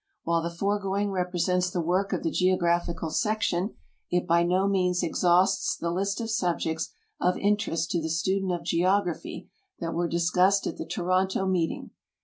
While the foregoing represents the work of the Geographical Section, it by no means exhausts the list of subjects of interest to the student of geography that were discussed at the Toronto meeting.